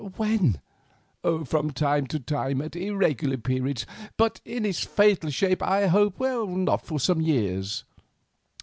"When?" "From time to time, at irregular periods. But in its fatal shape, as I hope, not for some years."